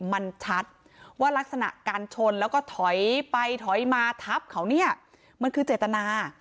มันชัดว่ารักษณะการชนแล้วก็ถอยไปถอยมาทับเขาเนี่ยมันคือเจตนา